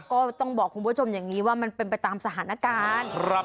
ก็ต้องบอกคุณผู้ชมอย่างนี้ว่ามันเป็นไปตามสถานการณ์